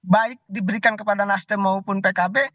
baik diberikan kepada nasdem maupun pkb